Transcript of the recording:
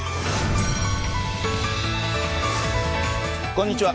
こんにちは。